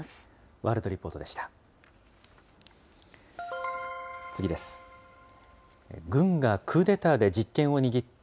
ワールドリポートでした。